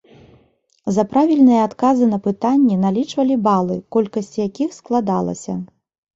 За правільныя адказы на пытанні налічвалі балы, колькасць якіх складалася.